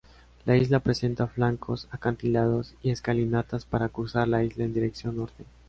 La isla presenta flancos acantilados y escalinatas para cursar la isla en dirección norte.